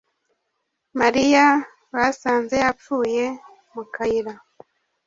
Mariya basanze yapfuye mu kayira